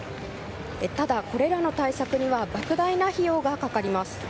ただ、これらの対策には莫大な費用が掛かります。